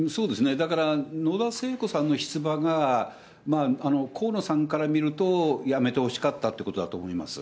だから野田聖子さんの出馬が、河野さんから見ると、やめてほしかったということだと思います。